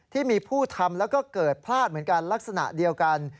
ที่มีผู้ทำแล้วก็เกิดพลาดเหมือนกันลักษณะเดียวกัน